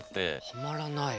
はまらない。